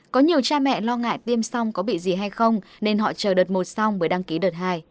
có nhiều cha mẹ lo ngại tiêm xong có bị gì hay không nên họ chờ đợt một xong mới đăng ký đợt hai